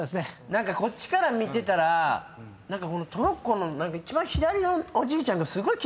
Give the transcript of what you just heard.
何かこっちから見てたらトロッコの一番左のおじいちゃんがすごい気になって。